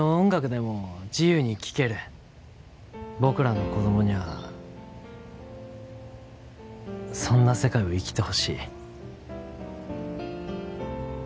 僕らの子供にゃあそんな世界を生きてほしい。